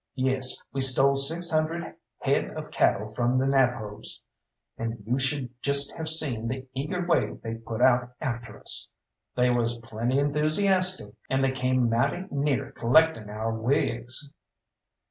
Yes, we stole six hundred head of cattle from the Navajos, and you should just have seen the eager way they put out after us. They was plenty enthoosiastic, and they came mighty near collecting our wigs."